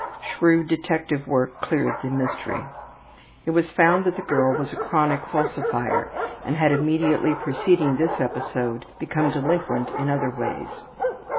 Shrewd detective work cleared the mystery. It was found that the girl was a chronic falsifier and had immediately preceding this episode become delinquent in other ways.